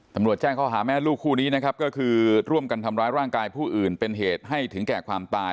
แจ้งข้อหาแม่ลูกคู่นี้นะครับก็คือร่วมกันทำร้ายร่างกายผู้อื่นเป็นเหตุให้ถึงแก่ความตาย